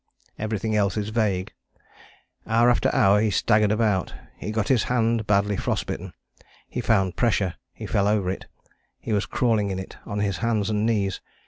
Everything else is vague. Hour after hour he staggered about: he got his hand badly frost bitten: he found pressure: he fell over it: he was crawling in it, on his hands and knees.